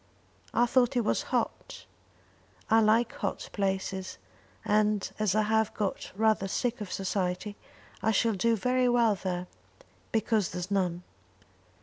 "I thought it was hot." "I like hot places; and as I have got rather sick of society I shall do very well there, because there's none.